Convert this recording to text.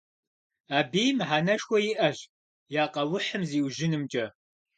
Абыи мыхьэнэшхуэ иӀэщ я къэухьым зиужьынымкӀэ.